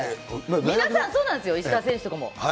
皆さんそうなんですよ、石川選手とかも。